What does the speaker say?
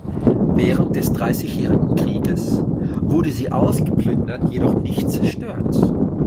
Während des Dreißigjährigen Kriegs wurde sie ausgeplündert, jedoch nicht zerstört.